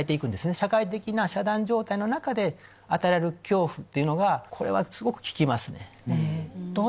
社会的な遮断状態の中で与えられる恐怖っていうのがこれはすごく効きますね。